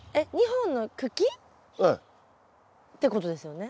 ２本の茎？ええ。ってことですよね？